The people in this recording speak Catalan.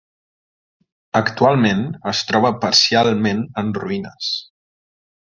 Actualment es troba parcialment en ruïnes.